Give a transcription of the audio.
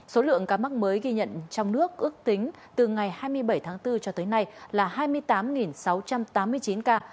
số lượng ca mắc mới ghi nhận trong nước ước tính từ ngày hai mươi bảy tháng bốn cho tới nay là hai mươi tám sáu trăm tám mươi chín ca